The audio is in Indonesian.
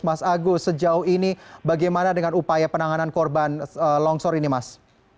mas agus sejauh ini bagaimana dengan upaya penanganan korban longsor ini mas